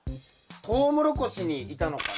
トウモロコシにいたのかな？